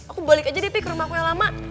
aku balik aja deh fi ke rumahku yang lama